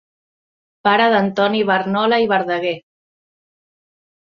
Pare d'Antoni Barnola i Verdaguer.